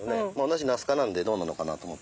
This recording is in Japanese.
同じナス科なんでどうなのかなと思って。